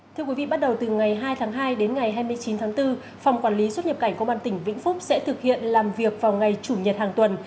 thưa quý vị bắt đầu từ ngày hai tháng hai đến ngày hai mươi chín tháng bốn phòng quản lý xuất nhập cảnh công an tỉnh vĩnh phúc sẽ thực hiện làm việc vào ngày chủ nhật hàng tuần